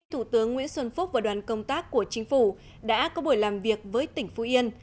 thủ tướng nguyễn xuân phúc và đoàn công tác của chính phủ đã có buổi làm việc với tỉnh phú yên